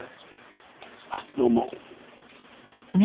あっどうも。